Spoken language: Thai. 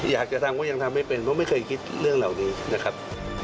อยากจะทำก็ยังทำไม่เป็นเพราะไม่เคยคิดเรื่องเหล่านี้นะครับ